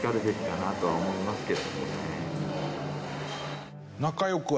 かなとは思いますけれどもね。